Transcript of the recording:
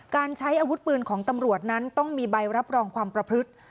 การใช้อาวุธปืนของตำรวจนั้นต้องมีใบรับรองความประพฤติ